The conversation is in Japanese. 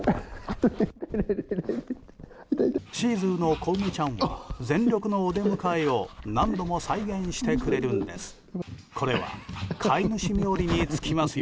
シーズーの小梅ちゃんは全力のお出迎えを何度も再現してくれるんです。